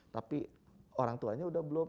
tapi orang tuanya udah belum